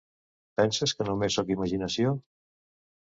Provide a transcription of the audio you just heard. Penses que només sóc imaginació?